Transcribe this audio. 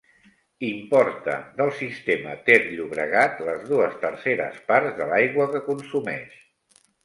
Importa del sistema Ter-Llobregat les dues terceres parts de l'aigua que consumeix.